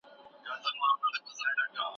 اووه وروسته له شپږو راځي.